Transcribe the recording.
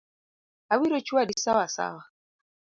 Abiro chwadi sawasawa.